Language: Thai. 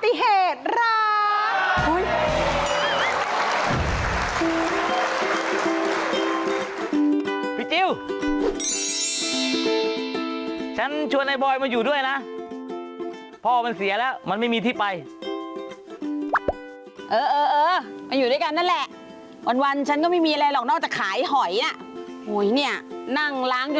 เดี๋ยวมาช่วยนี่บอยช่วยล้างหอยไปเดี๋ยวเจ๊ขายของเอง